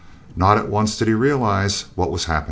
Not at once did he realize what was happening.